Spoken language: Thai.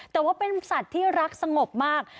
แต่ว่าเป็นสัตว์ที่รักสงบมาก